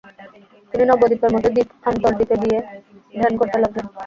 তিনি নবদ্বীপের মধ্য দ্বীপ আন্তর্দ্বীপে গিয়ে ধ্যান করতে লাগলেন।